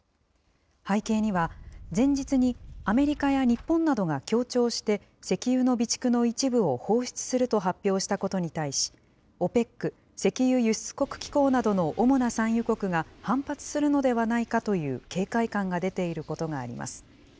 背景には、前日にアメリカや日本などが協調して、石油の備蓄の一部を放出すると発表したことに対し、ＯＰＥＣ・石油輸出国機構などの主な産油国が反発するのではないかという警戒感が出ていることがあります。